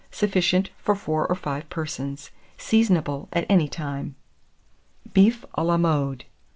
Sufficient for 4 or 5 persons. Seasonable at any time. BEEF A LA MODE.